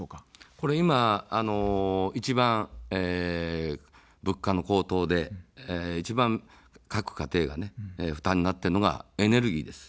ここは一番、物価の高騰で一番各家庭が負担になっているのがエネルギーです。